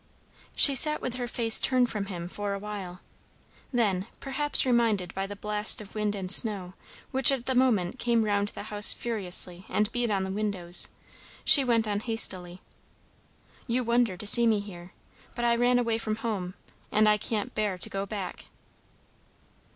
She sat with her face turned from him for a while; then, perhaps reminded by the blast of wind and snow which at the moment came round the house furiously and beat on the windows, she went on hastily: "You wonder to see me here; but I ran away from home; and I can't bear to go back."